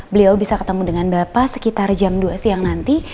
beliau bisa ketemu dengan bapak sekitar jam dua siang nanti